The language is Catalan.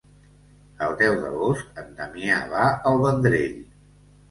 El deu d'agost en Damià va al Vendrell.